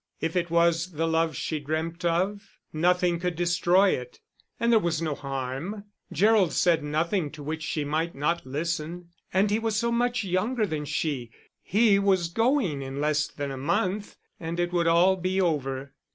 If it was the love she dreamt of, nothing could destroy it. And there was no harm; Gerald said nothing to which she might not listen, and he was so much younger than she, he was going in less than a month and it would all be over.